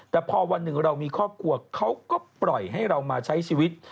แต่พอวันหนึ่งเรามีครอบครัวเขาก็ปล่อยให้เรามาใช้ชีวิต